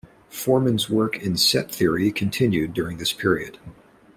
Foreman's work in set theory continued during this period.